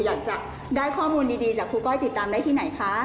อยากจะได้ข้อมูลดีจากครูก้อยติดตามได้ที่ไหนคะ